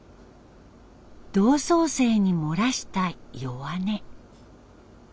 同窓生にもらした弱音。